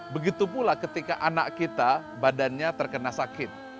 begitu pula ketika anak kita badannya terkena sakit